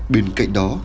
bên cạnh đó